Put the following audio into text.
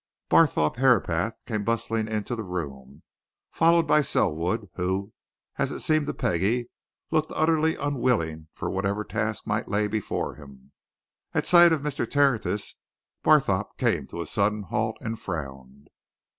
Barthorpe Herapath came bustling into the room, followed by Selwood, who, as it seemed to Peggie, looked utterly unwilling for whatever task might lay before him. At sight of Mr. Tertius, Barthorpe came to a sudden halt and frowned.